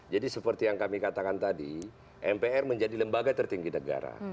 jadi seperti yang kami katakan tadi mpr menjadi lembaga tertinggi negara